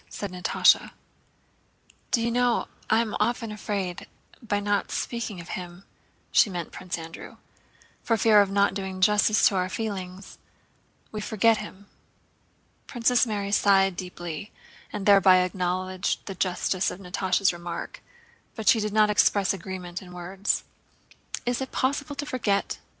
said Natásha. "Do you know, I am often afraid that by not speaking of him" (she meant Prince Andrew) "for fear of not doing justice to our feelings, we forget him." Princess Mary sighed deeply and thereby acknowledged the justice of Natásha's remark, but she did not express agreement in words. "Is it possible to forget?"